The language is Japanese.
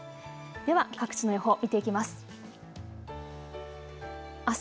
では各地の予報、見ていきます。